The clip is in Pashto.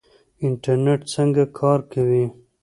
انټرنیټ څنګه کار کوي؟